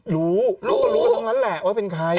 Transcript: รู้รู้ก็รู้กันทั้งนั้นแหละว่าเป็นใคร